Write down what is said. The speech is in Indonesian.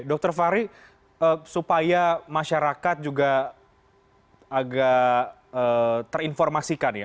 dr fahri supaya masyarakat juga agak terinformasikan ya